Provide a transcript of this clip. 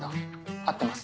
合ってます？